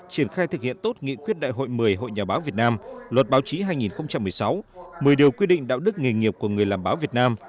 triển khai thực hiện tốt nghị quyết đại hội một mươi hội nhà báo việt nam luật báo chí hai nghìn một mươi sáu một mươi điều quy định đạo đức nghề nghiệp của người làm báo việt nam